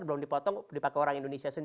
belum dipotong dipakai orang indonesia sendiri